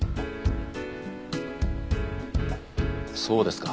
そうですか。